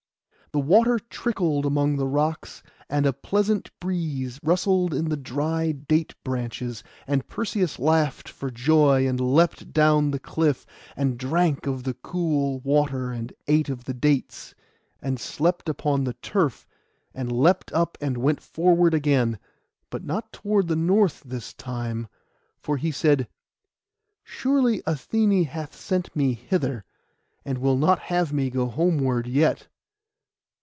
The water trickled among the rocks, and a pleasant breeze rustled in the dry date branches and Perseus laughed for joy, and leapt down the cliff, and drank of the cool water, and ate of the dates, and slept upon the turf, and leapt up and went forward again: but not toward the north this time; for he said, 'Surely Athené hath sent me hither, and will not have me go homeward yet.